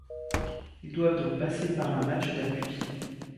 Ils doivent donc passer par un match d'appui.